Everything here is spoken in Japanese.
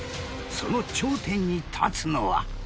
その頂点に立つのは？］